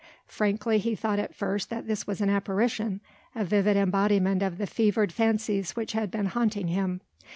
Frankly he thought at first that this was an apparition, a vivid embodiment of the fevered fancies which had been haunting him.